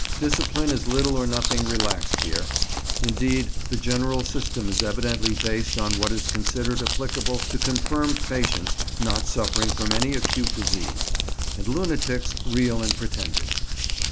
Discipline is little or nothing relaxed here; indeed the general system is evidently based on what is considered applicable to confirmed patients not suffering from any acute disease, and lunatics real and pretended.